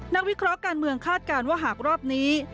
วิเคราะห์การเมืองคาดการณ์ว่าหากรอบนี้